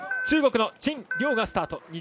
中国の陳亮がスタート。